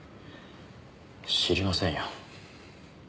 知りませんよ。